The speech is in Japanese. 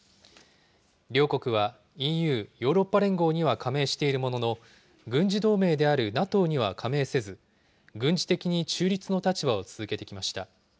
両国はＥＵ・ヨーロッパ連合には加盟しているものの、軍事同盟であるＮＡＴＯには加盟せず、軍事的に中立の立場を続けてきました。